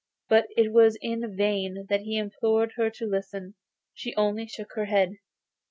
But it was in vain that he implored her to listen; she only shook her head.